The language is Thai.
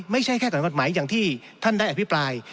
ไม่ใช่แค่กฎหมายอย่างที่ท่านได้อภิปราย